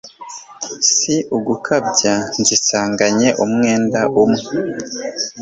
Si ugukabya nzisanganye umwenda umwe